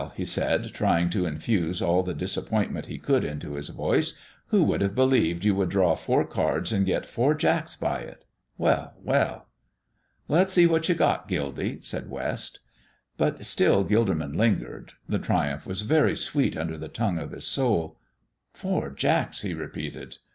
he said, trying to infuse all the disappointment he could into his voice, "who would have believed you would draw four cards and get four jacks by it? Well, well!" "Let's see what you've got, Gildy," said West. But still Gilderman lingered. The triumph was very, very sweet under the tongue of his soul. "Four jacks!" he repeated.